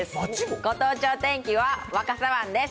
ご当地お天気は若狭湾です。